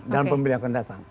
dalam pemilihan akan datang